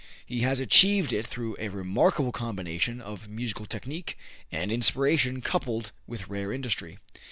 He has achieved it through a remarkable combination of musical technique and inspiration coupled with rare industry.